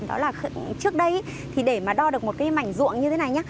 đó là trước đây để đo được một cái mảnh ruộng như thế này